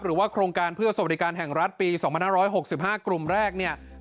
หรือว่าโครงการเพื่อสวัสดิการแห่งรัฐปี๒๕๖๕กลุ่มแรกเนี่ย